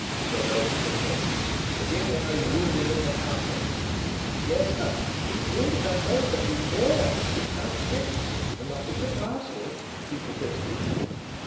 said old Strakencz; "the King lies wounded in the Castle." "Yes, sir, he's wounded, I know; but he's there with Count Fritz and not at the Castle," she persisted.